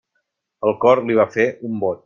El cor li va fer un bot.